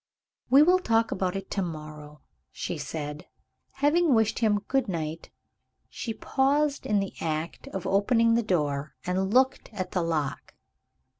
"We will talk about it to morrow," she said. Having wished him good night, she paused in the act of opening the door, and looked at the lock.